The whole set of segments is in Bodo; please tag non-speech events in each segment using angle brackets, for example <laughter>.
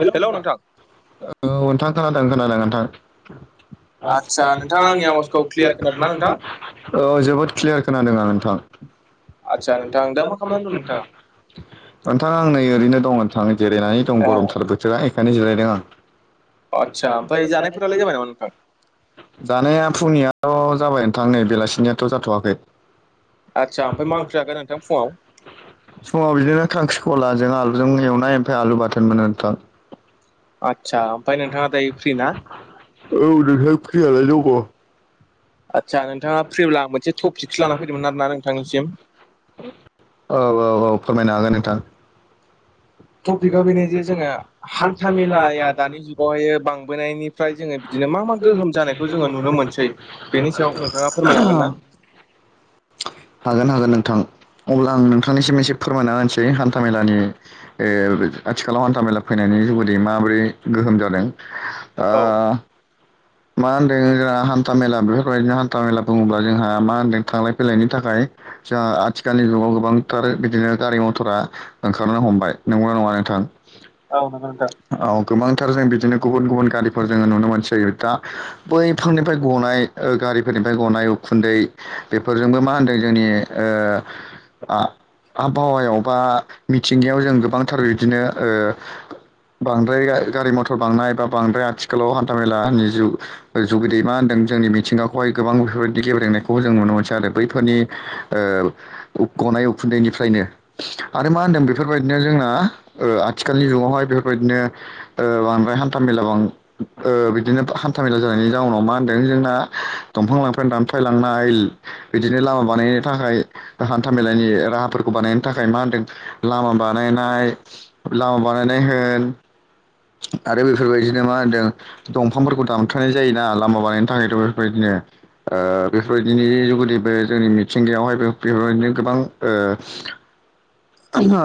हेलौ नोंथां औ नोंथां खोनादों खोनादों नोंथां। आदसा आतसा नोंथाङा नोंथां आंनि आवाजखौ क्लियार ख्लेयार खोनादों ना खोनादोंना नोंथां? औ जोबोद क्लियार खोनादों आरो नोंथां आदसा आतसा नोंथां दा मा खालामनानै दं दाबो नोंथाङा <unintelligible> नोंथां आं नै ओरैनो दं नोंथां जिरायनानै दं अ गरमथार बोथोरा बेखायनो जिरायदों आं। आतसा ओमफिय जानायफोरालाय जाबाय नामा नोंथां? जानाया फुंनियाथ' जाबाय नोंथां नै बेलासिनियाथ' जाथ'वाखै‌‌। आदसा ओमफ्राय मा ओंख्रि जाखो नोंथां फुङाव? समाव बिदिनो खांख्रिखलाजों आलुजों एवनाय ओमफ्राय आलु बाथोन आरो नोंथां‌‌। आदसा औ ओमफ्राय नोंथाङा दायो फ्रि ना नोंथां फ्रियालाय दङ। आदसा नोंथाङा फ्रिब्ला आं मोनसे टपिकसो लाना फैदोंमोन आरो ना नोंथांनिसिम। औ औ औ फोरमायनो हागोन नोंथां। टपिकआ बेनो जे जोङा हान्था मेलाया दानि जुगावहाय बांबोनायनि फ्राय जोङो बिदिनो मा मा गोहोम जानायखौ जोङो नुनो मोनसै बेनि सायाव नोंथाङा फोरमायनो हागोन ना? <inaudible> हागोन हागोन नोंथां अब्ला आं नोंथांनिसिम एसे फोरमायना होनसै हान्था मेलानि‌ ए आथिखालाव हान्था मेला फैनायनि जुहुदै माबोरै गोहोम जादों। औ मा होनदों जोंहा हान्था मेला बेफोरबायदिनो हान्था मेला बुङोब्ला जोंहा मा होनदों थांलाय फैलायनि थाखाय जोंहा आथिखालनि जुगाव गोबांथार बिदिनो गारि मथरा ओंखारनो हमबाय नोंगौ ना नङा नोंथां? औ नोंगौ नोंथां। औ गोबांथार जों बिदिनो गुबुन गुबुन गारिफोर जोङो नुनो मोनसै दा बैफोरनिफ्राय गनाय गारिफोरनिफ्राय गनाय उखुन्दै बेफोरजोंबो मा होनदों जोंनि ओ आ आबहावायाव बा मिथिंगायाव जों गोबांथार बिदिनो ओ बांद्राय गा-गारि मथर बांनाय बा बांद्राय आथिखालाव हान्था मेलानि जुग जुगिदियै मा होन्दों जोंनि मिथिंगाखौहाय गोबां बेफोरबायदि गेब्रेंनायखौ जों नुनो मोनसै आरो बैफोरनि ओ गनाय उखुन्दैनिफ्रायनो। आरो मा होनदों बेफोरबायदिनो जोंना आथिखालनि जुगावहाय बेफोरबायदिनो ओ बांद्राय हान्था मेला बां ओ बिदिनो हान थामेला जानायनि जाउनाव मा होनदों जोंना दंफां लांफाय दानफायलांनाय बिदिनो लामा बानायनो थाखाय हान्था मेलाायनि राहाफोरखौ बानायनो थाखाय मा होनदों लामा बानायनाय। लामा बानायनाय होन। आरो बेफोरबायदिनो मा होनदों दंफांफोरखौ दानफ्रायनाय जायोना लामा बानायनो थाखायथ' बेफोरबायदिनो। ओ बेफोरबायदिनि जुगुदिबो जोंनि मिथिंगायावहायबो बेफोरबायदिनो गोबां ओ ओंहो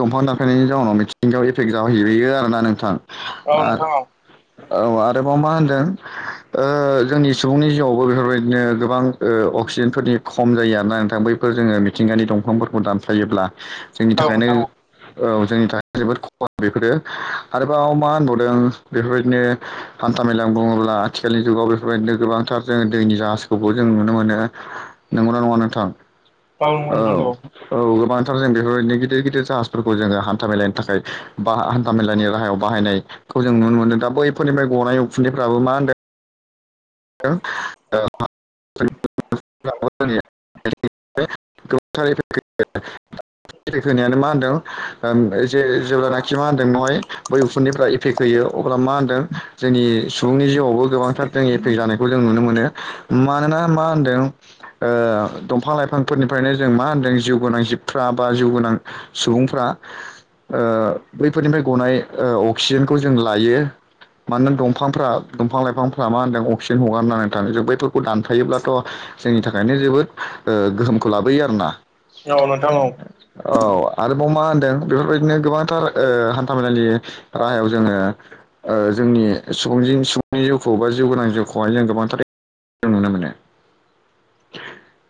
दंफां दानफायनायनि जाउनाव मिथिंगायाव एफेक्ट जाहोयो बेयो आरोना नोंथां। औ औ नोंथां औ आरोबाव मा होनदों ओ जोंनि सुबुंनि जिउआवबो बेफोरबायदिनो गोबां अक्सिजेनफोरनि खम जायो आरोना नोंथां बै फोर जोङो मिथिंगानि दंफांफोरखौ दानफायोब्ला जोंनि औ थाखायनो नोंथां औ जोंनि थाखाय जोबोद खहा बेफोरो आरोबाव मा होनबावदों बेफोरबायदिनो हान्था मेला बुङोब्ला आथिखालनि जुगाव बेफोरबायदिनो गोबांथार जोङो दैनि जाहाज जों नुनो मोनो नंगौना नङा नोंथां औ नंगौ औ औ गोबां <unintelligible> जों बेफोरबायदिनो गिदिर गिदिर जाहाजफोरखौ जोङो हान्था मेलानि थाखाय बा हान्था मेलानि राहायाव बाहायनाय खौ जों नुनो मोनदों दा बैफोरनिफ्राय गनाय उखुन्दैफ्राबो मा होनदों <unintelligible> <unintelligible> <inaudible> एफेक्ट होनायानो मा होनदों जे जेब्लानाखि मा होनदों नय बै उफुनिफ्राय इफेक्ट होयो अब्ला मा होनदों जोंनि सुबुंनि जिउआवबो गोबांथार जोंनि दै जानायखौ जों नुनो मोनो मानोना मा होनदों दंफां लाइफांफोरनिफ्रायनो जों मा होनदों जिउ गोनां जिबफ्रा बा जिउ गोनां सुबुंफ्रा बैफोरनिफ्राय गनाय अक्सिजेनखौ जों लायो। मानोना दंफांफ्रा दंफां लाइफांफ्रा मा होनदों अ सिम हगारनानै नोंथां जोबबायथ बेखौ दानफायोब्लाथ जोंनि थाखायनो जोबोद गोहोमखौ लाबोयो आरोना औ नोंथां औ। औ आरोबाव मा होनदों बेफोरबायदिनो गोबांथार हान्थामेलानि राहायाव जोङो जोंनि सुबुं जिउ-सुबुंनि जिउखौ बा जिउ गोनां जिउ खौहाय जों गोबांथार नुनो मोनो। <inaudible>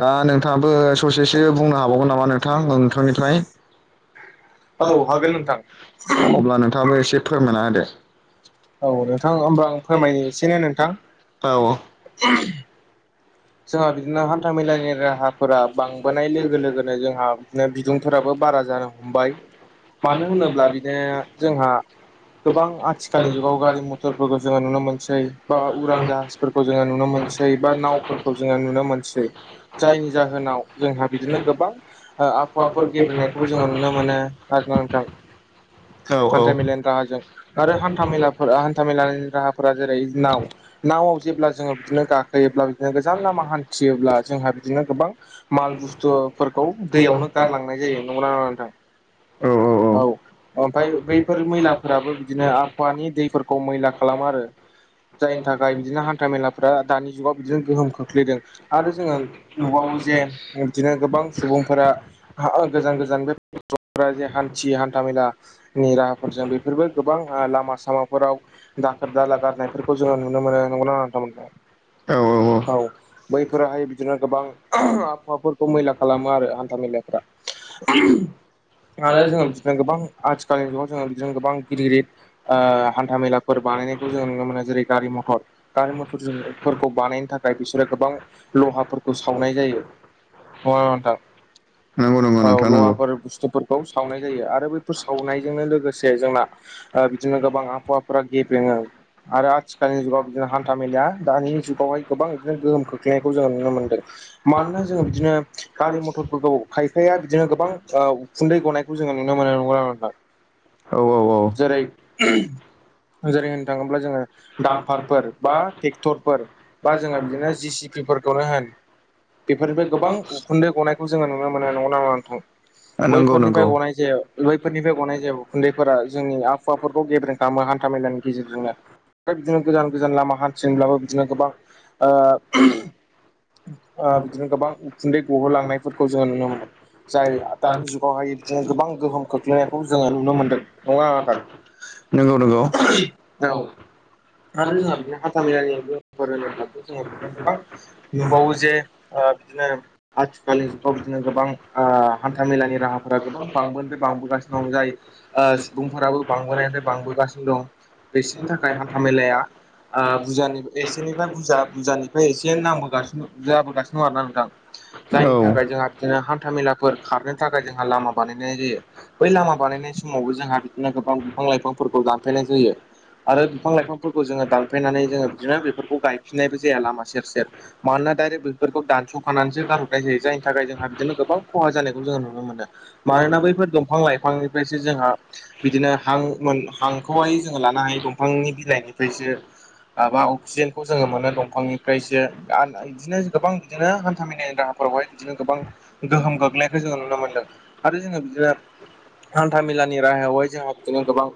दा नोंथाङाबो ससेसो बुंनो हाबावगोन नामा नोंथां नोंथांनिफ्राय <inaudible> औ हागोन नोंथां अब्ला नोंथाङाबो एसे फोरमायना होदो। औ नोंथां होमबा आं फोरमायनोसै ने नोंथां? औ जोंहा बिदिनो हान्था मेलानि राहाफोरा बांबोनाय लोगो लोगोनो जोंहा बिदिनो बिदुंफोराबो बारा जानो ह हमबाय मानो होनोब्ला बिदिनो जोंहा गोबां आथिखालनि जुगाव गारि मथरफोरखौ जोङो नुनो मोनसै बा उरां जाहाजफोर जोङो नुनो मोनसै बा नावफोरखौ जोङो नुनो मोन जायनि जाहोनाव जोंहा बिदिनो गोबां आबहावाफोर गेब्रेंनायखौबो जोङो नुनो मोनो। <unintelligible> हान्था मेलानि राहाजों आरो हान्था मेलाफोर हान्था मेलानि राहाफोरा जेरै नाव नावआव जेब्ला जोङो बिदिनो गाखोयोब्ला बिदिनो गोजान नामा हान्थियोब्ला जोंहा बिदिनो गोबां माल बुस्थुफोरखौ औ दैयावनो गारलांनाय जायो नं नंगौ ना नङा नोंथां औ ओमफाय बैफोर मैलाफोराबो बिदिनो आबहावानि दैफोरखौ मैला खालामो आरो। जायनि थाखाय बिदिनो हान्था मेलाफोरा दानि जुगाव जों गोहोम खोख्लैदों आरो जोङो नुबावो जे बिदिनो गोबां सुबुंफोरा गोजान गोजान <unintelligible> हान्थियो हान्था मेला नि राहाफोरजों बेफोरबो गोबां लामा सामाफोराव दाखोर दाला गारनायफोरखौ जोङो नुनो मोनो नंगौना नङा औ बैफोराहाय बिदिनो गोबां आबहावाफोरखौ मैला खालामो आरो हान्था मेलाफ्रा आरो जोङो बिदिनो गोबां आथिखालनि जुगाव जोङो बिदिनो गोबां गिदिर गिदिर ओ हान्था मेलाफोर बानायनायखौ जोंङो नुनो मोनो जेरै गारि मथर गारि मथरफोरखौ बानायनो थाखाय बिसोरो गोबां लहाफोरखौ सावनाय जायो नङाथां नंगौ नंगौ नोंथां नोंगौ बुस्थुफोरखौ सावनाय जायो आरो बैफोर सावनायजोंनो लोगोसे जोंना ओ बिदिनो गोबां आबहावाफोरा गेब्रेङो आरो आथिखालनि जुगाव बिदिनो हान्था मेलाया दानि जुगावहाय गोबां बिदिनो गोहोम खोख्लैनायखौ जो नुनो मोनदों मानोना जों बिदिनो गारि मथरफोरखौ खायफाया बिदिनो गोबां उखुन्दै गनायखौ जोङो नुनो मोनो नंगौ ना नङा नोंथां <inaudible> औ औ औ जेरै जेरै होननो थाङोब्ला जोङो दामफारफोर बा ट्रेक्टरफोर बा जोङो बिदिनो जिसिपिफोरखौनो होन बेफोरनिफ्राय गोबां उखुन्दै गनायखौ जोङो नुनो मोननाय नंगौ ना नङा नोंथां नंगौ बैफोरनिफ्राय नंगौ गनाय जायो। बैफोरनिफ्राय गनाय जायो उखुन्दैफोरा जोंनि आबहावाफोरखौ गेब्रें खालामो हान्था मेलानि गेजेरजोंनो ओमफ्राय बिदिनो गोजान गोजान लामा हान्थिदोंब्लाबो बिदिनो गोबां ओ ओ बिदिनो गोबां उखुन्दै गहोलांनायफोरखौ जोङो नुनो मोनो। जाय दानि जुगावहाय बिदिनो गोबां गोहोम खोख्लैनायखौ जोङो नुनो मोन्दों नङा नोंथां नोंगौ नोंगौ औ आरो जोंहा बिदिनो हान्थ मेलानि लोगोफोर होनोब्लाथ' जोंहा बिदिनो गोबां नुबावो जे ओ बिदिनो आथिखालनि जुगाव बिदिनो गोबां ओ हान्थाामेलानि राहाफोरा गोबां बांबोननिफ्राय बांबोगासिनो दं जाय सुबुंफोराबो बांबोनायनिफ्राय बांबोगासिनो दं। बिसिनि थाखाय हान्था मेलाया ओ बुजानि ए एसेनिफ्राय बुरजा बुजानिफ्राय एसे नांबोगासिनो जाबोगासिनो दं ना नोंथां औ नंगौ जायनि थाखाय जोंहा बिदिनो हान्थाामेलाफोर खारनो थाखाय जोंहा लामा बानायनाय जायो। बै लामा बानायनाय समावबो जोंहा बिदिनो गोबां बिफां लाइफांफोरखौ दानफायनाय जायो। आरो बिफां लाइफांफोरखौ जोङो दानफायनानै जोङो बिदिनो बेफोरखौ गायफिननायबो जाया लामा सेर सेर मानोना डाइरेक्ट बेफोरखौ दानस' खांनानैसो गारहरनाय जायो जायनि थाखाय जोंहा बिदिनो गोबां खहा जानायखौ जोङो नुनो मोनो। मानोना बैफोर दंफां लाइफांनिफ्रायसो जोंहा बिदिनो हां मोन हांखौहाय जोङो लानो हायो दंफांनि बिलाइनिफ्रायसो माबा अक्सिजेनखौ जोङो मोनो दंफांनिफ्रायसो बिदिनो गोबां बिदिनो खामिनायनि राहाफोरावहाय बिदिनो गोबां गोहोम गोग्लैनायखौ जोङो नुनो मोनदों आरो जोङो बिदिनो हान्था मेलानि राहायावहाय जोंहा बिदिनो गोबां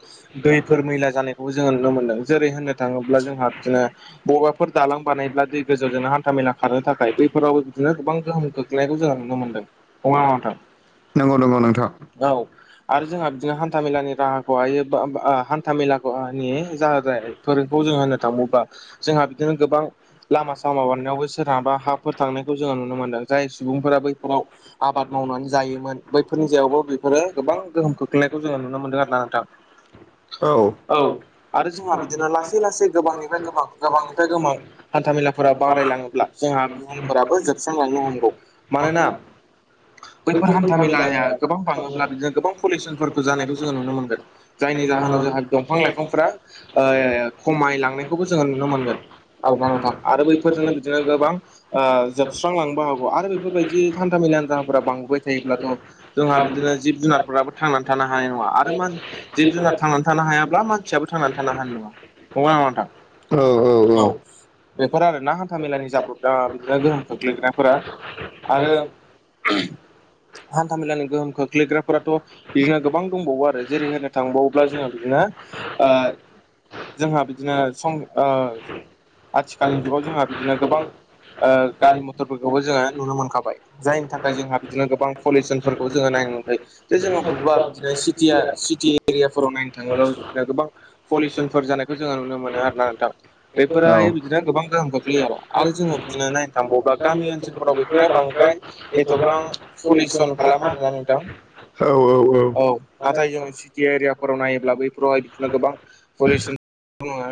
दैफोर मैला जानायखौबो जोङो नुनो मोनदों जेरै होननो थाङोब्ला जोंहा बिदिनो बबाफोर दालां बानायब्ला दै गेजेर जोंनो हान्थामेला खानोनो थाखाय बैफोरावबो बिदिनो गोबां गोहोम खग्लैनायखौ जों नुनो मोनदों <unintelligible> नंगौ औ <unintelligible> आरो जोंहा बिदिनो हान्था मेलानि राहाखौ हायो हान्थ मेला <unintelligible> थाङोबा जोंहा बिदिनो गोबां लामा सामा बारनायावबो सोरहाबा हाफोर थांनायखौ जोङो नुनो मोनदों जाय सुबुंफोरा बैफोराव आबाद मावनानै जायोमोन बैफोरनि जायावबो बेफोरो गोबां गोहोम खो ख्लैनायखौ जोुनो मोनदों आरो नोंथां औ औ आरो जोंहा बिदिनो लासै लासै गोबांनिफ्राय गोबां गोबांनिफ्राय गोबां हान्थाामेलाफोरा बारायलाङोब्ला जोंहा बुहुमफोराबो जोबस्रांलांनो हमगौ मानोना बैफोर हान्था मेेलाया गोबां बाङोब्ला बिदिनो गोबां पलिउसनफोरखौ जानायखौ जोङो नुनो मोनगोन। जायनि जाहोनाव जोंहा दंफां लाइफांफ्रा ओ खमायलां <unintelligible> जों नुनो मोनगोन आला नथां आरो बैफोरजोंनो बिदिनो गोबां ओ सुस्रांलांबो हागौ आरो बेफोरबायदि हान्था मेलानो राहाफोरा बांबोबाय थायोब्लाथ' जोंहा बिदिनो जिब जुनारफोराबो थांनानै थानो हानाय नङा आरो मान जिब जुनार थांनानै था थियाबो थांनानै थानो हानाय नङा नङा नङाथां औ औ बेफोर आरोना हान्था मेलानि जाब्रब बिदिनो गोहोम खोख्लैग्राफोरा आरो हान्था मेलानि गोहोमखौ गोग्लैग्राफोराथ' बिदिनो गोबां दंबावो आरो जेरै होनो थांबावोब्ला जोंहा बिदिनो ओ जोंहा बिदिनो सं ओ आथिखालनि जुगाव जोंहा बिदिनो गोबां ओ गारि मथरफोरखौबो जोङो नुनो मोनखाबाय। जायनि थाखाय जोंहा बिदिनो गोबां पलिउसनफोरखौ जोङो नायनो गोनां जायो दा जो बबेबा बिदिनो सिटिया सिटि एरियाफोराव नायनो थाङोब्ला बिदिनो गोबां पलिउसनफोर जानायखौ जोङो नुनो मोनो आरो ना नोंथां बेफोरायो बिदिनो गोबां गोहोम खोख्लैयो आरो आरो जोङो बिदिनो नायनो थांबावबा गामि ओनसोलफोराव बेफोरो बांद्राय एथ'बां पलिउसन खालामा आरोना नोंथां आरो औ औ नाथाय जोङो टि एरियाफोराव नायोब्ला बैफोरावहाय बिखौनो गोबां पलिउसन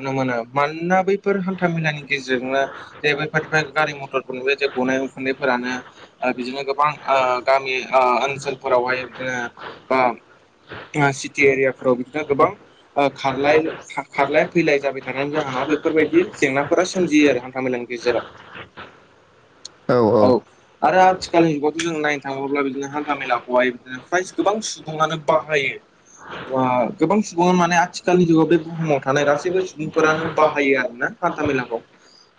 नुनो मोनो। मानोना बैफोर हान्था मेलानि गेजेरजोंनो जे बेैफोर गारि मथरफोरनि जे गनाय खुन्दैफोरानो ओ बिदिनो गोबां ओ गामि ओ ओनसोलफोरावहाय बिदिनो जोङा सिटि एरियाफोराव बिदिनो गोबां ओ खारलाय खारलाया फैलाय जाबाय खारनायनि जाहोनाव बेफोरबायदि जेंनाफोरा सोमजियो आरो हान्था मेलानि गेजेराव औ आरो आथिखालनि जुगाव जों नायनो थाङोब्ला बिदिनो हान्था मेलाखौहाय बिदिनो फ्राय गोबां सुबुङानो बाहायो गोबां सुबङानो माने आथिखालनि जुगाव बे बुहुमाव थानाय गासैबो सुबुं फोरानो बाहायो आरो ना हान्था मेलाखौ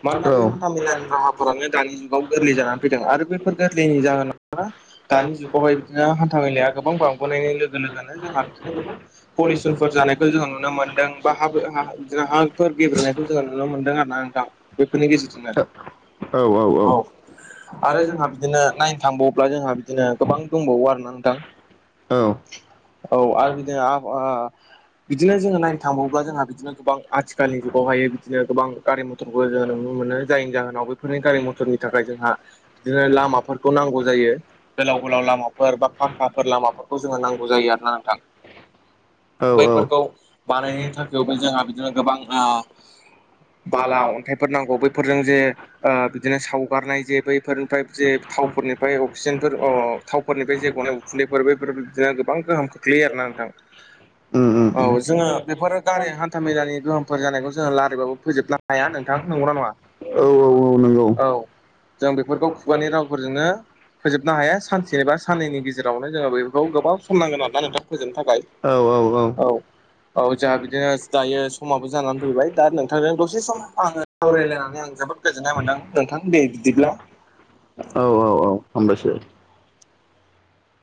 मानोना औ बे औ हान्था मेलानि राहाफोरानो दानि जुगाव गोरलै जानानै फैदों आरो बेफोर गोरलैनि जाहोनावनो दानि जुगावहाय बिदिनो हान्था मेेलाया गोबां बांबोनायनि लोगो लोगोनो जोंहा बिदिनो गोबां पलिसनफोर जानायखौ जोङो नुनो मोनदों बा हाब हा राहांफोर गेब्रेनायखौ जोङो नुनो मोनदों आरो ना नोंथां बैफोरनि गेजेरजोंनो औ औ औ आरो जोंहा बिदिनो नायनो थांबावोब्ला जोंहा बिदिनो गोबां दंबावो आरोना नोंथां औ औ आरो बिदिनो आबा ओ बिदिनो जोङो नायनो थांबावोब्ला जोंहा बिदिनो गोबां आथिखालनि जुगावहाय बिदिनो गोबां गारि मथरबो जोङो नुनो मोनो जायनि जाहोनाव बेफोरनि गारि मथ फोरनि थाखाय जोंहा बिदिनो लामाफोरखौ नांगौ जायो। गोलाव गोलाव लामाफोर बा फाखाफोर लामाफोरखौ जोङो नांगौ जायो आरो ना नोंथां। औ बैफोरखौ औ बानायनायनि थाखायबो जोंहा बिदिनो गोबां ओ बाला अन्थाइफोर नांगौ बैफोरजों जे ओ बिदिनो सावगारनाय जे बैफोरनिफ्राय जे थावफोरनिफ्राय अक्सिजेनफोर अ थावफोरनिफ्राय जे गनाय उखुन्दैफोर बेफोर बिदिनो गोबां गोहोम खोख्लैयो आरोना नोंथां। उम उम उम औ जोङो बेफोर गारि हान था मेलानि गोहोमफोर जानायखौ जोङो लारायबाबो फोजोबनो हाया नोंथां नंगौना नङा? नोंगौ औ जों बेफोरखौ खुगानि रावफोरजोंनो फोजोबनो हाया सानसेनिबा साननैनि गेजेरावनो जोङो बैफोरखौ गोबाव सम नांगोन आरोना नोंथां फोजोबनो थाखाय। औ औ जाहा बिदिनो दायो समाबो जानानै फैबाय दा नोंथांजों दसे सम आङो सावरायलायनानै आं जोबोद गोजोन्नाय मोनदों नोंथां दे बिदिब्ला हामबायसो